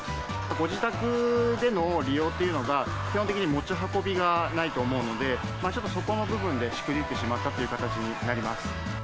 ご自宅での利用というのが、基本的に持ち運びがないと思うので、そこの部分でしくじってしまったという形になります。